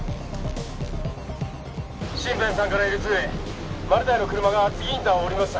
シンペン３からＬ２へマルタイの車が厚木インターを降りました